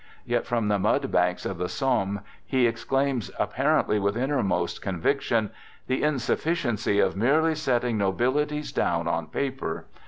Yet, from the mud banks of the Somme, he exclaims, apparently with innermost conviction: "The insufficiency of merely setting nobilities down on paper